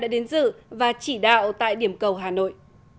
đã đến dự và chỉ đạo tại điểm cầu hà nội